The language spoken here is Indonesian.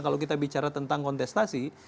kalau kita bicara tentang kontestasi